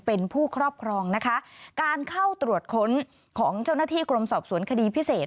เป็นผู้ครอบครองนะคะการเข้าตรวจค้นของเจ้าหน้าที่กรมสอบสวนคดีพิเศษ